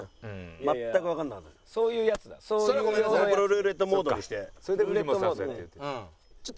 ルーレットモードにして。